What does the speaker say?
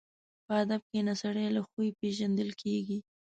په ادب کښېنه، سړی له خوی پېژندل کېږي.